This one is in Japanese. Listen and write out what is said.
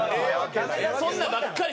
そんなんばっかり！